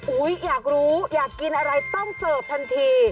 อยากรู้อยากกินอะไรต้องเสิร์ฟทันที